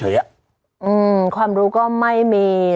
ความรู้ก็ไม่มี